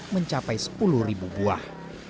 mencapai sepuluh buah